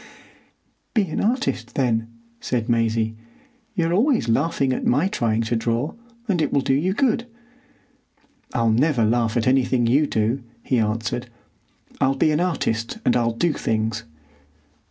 "Be an artist, then," said Maisie. "You're always laughing at my trying to draw; and it will do you good." "I'll never laugh at anything you do," he answered. "I'll be an artist, and I'll do things."